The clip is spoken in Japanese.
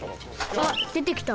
あっでてきた。